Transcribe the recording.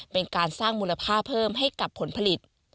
เป็นการสร้างมูลค่าเพิ่มให้กับผลผลิต